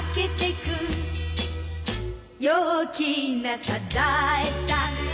「陽気なサザエさん」